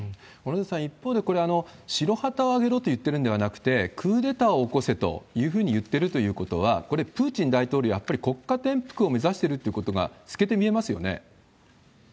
小野寺さん、一方でこれ、白旗を上げろと言っているんではなくて、クーデターを起こせというふうに言ってるということは、これ、プーチン大統領、やっぱり国家転覆を目指してるってことが透けて見えますよね？